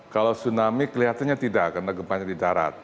kalau tsunami kelihatannya tidak karena gempanya di darat